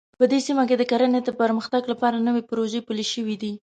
په دې سیمه کې د کرنې د پرمختګ لپاره نوې پروژې پلې شوې دي